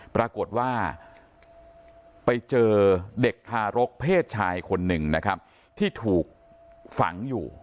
ปรากฏว่าไปเจอเด็กทารกเพศชายคนหนึ่งนะครับที่ถูกฝังอยู่